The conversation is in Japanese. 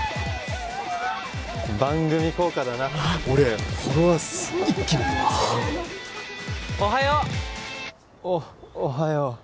おはよう！